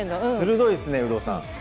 鋭いですね、有働さん。